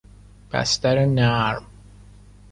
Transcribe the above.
بستر نرم